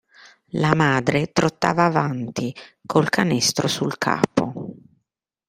La madre trottava avanti, col canestro sul capo.